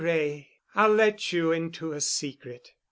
Wray, I'll let you into a secret.